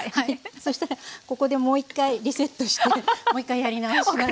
そしたらここでもう一回リセットしてもう一回やり直して下さい。